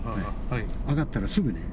上がったらすぐね？